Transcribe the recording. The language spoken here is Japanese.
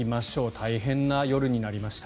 大変な夜になりました。